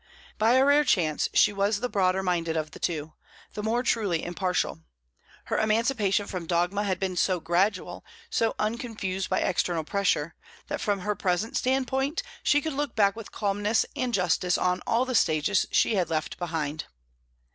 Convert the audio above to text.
By a rare chance, she was the broader minded of the two, the more truly impartial. Her emancipation from dogma had been so gradual, so unconfused by external pressure, that from her present standpoint she could look back with calmness and justice on all the stages she had left behind.